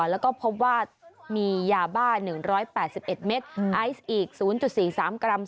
แล้วก็พบว่ามียาบ้า๑๘๑เมตรไอซ์อีก๐๔๓กรัม